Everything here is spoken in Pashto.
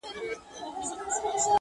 ترې به سترگه ايستل كېږي په سيخونو.!